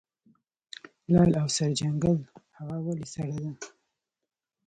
لعل او سرجنګل هوا ولې سړه ده؟